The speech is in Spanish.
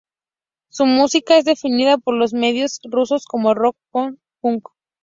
Su música es definida por los medios rusos como rock-pop-punk.